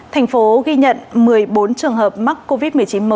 thành phố ghi nhận một mươi bốn trường hợp mắc covid một mươi chín mới